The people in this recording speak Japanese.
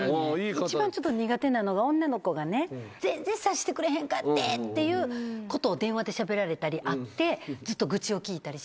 一番ちょっと苦手なのが女の子が「全然察してくれへんかって！」っていうことを電話でしゃべられたり会ってずっと愚痴を聞いたりして。